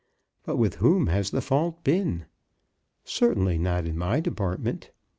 But with whom has the fault been? Certainly not in my department.